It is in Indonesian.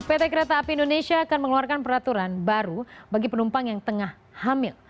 pt kereta api indonesia akan mengeluarkan peraturan baru bagi penumpang yang tengah hamil